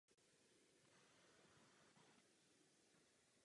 Původně měla nést jména ptáků.